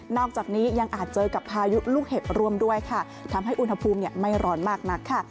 อกจากนี้ยังอาจเจอกับพายุลูกเห็บร่วมด้วยค่ะทำให้อุณหภูมิไม่ร้อนมากนักค่ะ